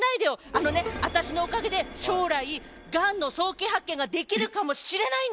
あのね私のおかげで将来がんの早期発見ができるかもしれないんですよ！